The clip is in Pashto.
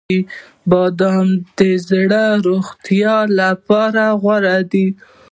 • بادام د زړه د روغتیا لپاره غوره دي.